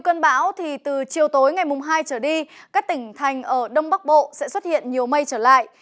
cơn bão thì từ chiều tối ngày mùng hai trở đi các tỉnh thành ở đông bắc bộ sẽ xuất hiện nhiều mây trở lại